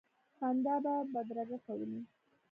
خندا به بدرګه کولې.